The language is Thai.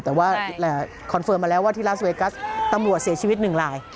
แต่ว่าคอนเฟิร์มมาแล้วว่าที่ลาสเวกัสตำรวจเสียชีวิตหนึ่งลาย